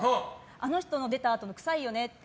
あの人の出たあと臭いよねって。